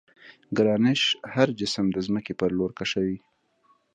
ګرانش هر جسم د ځمکې پر لور کشوي.